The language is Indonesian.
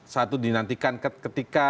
saat itu dinantikan ketika